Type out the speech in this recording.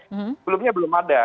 sebelumnya belum ada